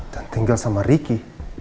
dan tinggal sama ricky